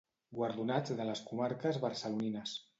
Guardonats de les comarques barcelonines.